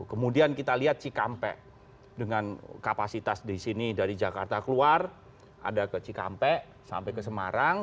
kemudian kita lihat cikampek dengan kapasitas di sini dari jakarta keluar ada ke cikampek sampai ke semarang